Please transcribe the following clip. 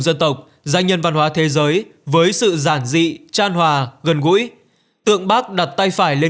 dân tộc danh nhân văn hóa thế giới với sự giản dị tràn hòa gần gũi tượng bác đặt tay phải lên